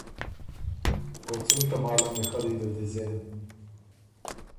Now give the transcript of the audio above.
او څُون تماله میخلّي دل دی زېن؟“